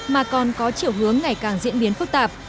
mà còn có chiều hướng ngày càng diễn biến phức tạp